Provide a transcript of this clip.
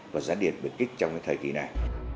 và gián điệp biệt kích trong thời kỳ này